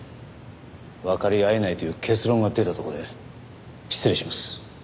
わかり合えないという結論が出たところで失礼します。